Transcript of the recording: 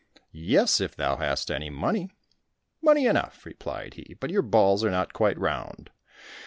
"Yes, if thou hast any money." "Money enough," replied he, "but your balls are not quite round."